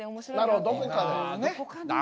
なるほどどこかで。